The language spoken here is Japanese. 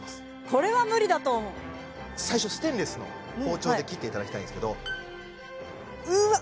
これは無理だと思う最初ステンレスの包丁で切っていただきたいんですけどうわ